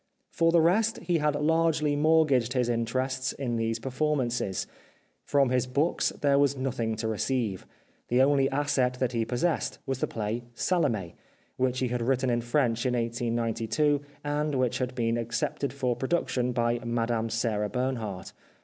For the rest, he had largely mortgaged his interests in these performances. From his books there was nothing to receive. The only asset that he possessed was the play " Salome," which he had written in French in 1892, and which had been accepted for production by Madame Sarah Bernhardt.